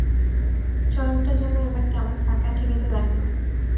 চড়কটা যেন এবার কেমন ফাঁকা ঠেকিতে লাগিল।